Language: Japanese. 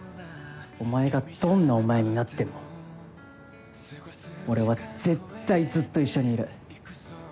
お前がどんなお前になっても俺は絶対ずっと一緒にいる。